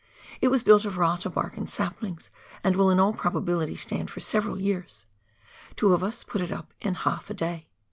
It was built of rata bark and saplings, and will in all probability stand for several years ; two of us put it up in haK a day.